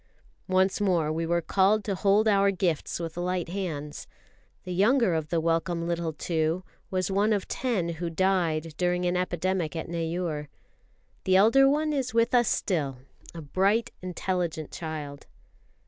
Once more we were called to hold our gifts with light hands. The younger of the welcome little two was one of ten who died during an epidemic at Neyoor. The elder one is with us still a bright, intelligent child.